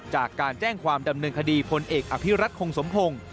จากการแจ้งความดำเนินคดีพลเอกอภิรัตคงสมพงศ์